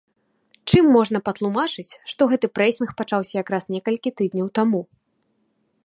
Чым можна патлумачыць, што гэты прэсінг пачаўся якраз некалькі тыдняў таму?